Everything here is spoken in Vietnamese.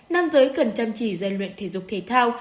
nam giới cần chăm chỉ gian luyện thể dục thể thao